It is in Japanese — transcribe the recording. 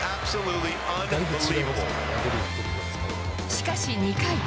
しかし２回。